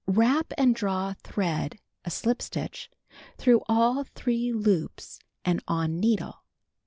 Wrap and draw thread (a shp stitch) through all three loops and on needle.